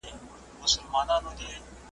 له ازل هېره افغانستانه.